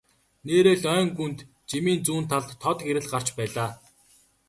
Нээрээ л ойн гүнд жимийн зүүн талд тод гэрэл гарч байлаа.